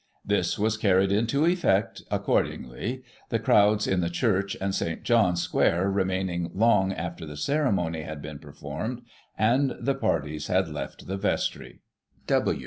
This was carried into effect, accordingly, the crowds in the church and St. John's Square remaining long after the ceremony had been performed, and the parties had left the vestry.